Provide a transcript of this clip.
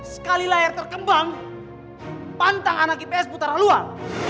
sekali layar terkembang pantang anak itu putaran luar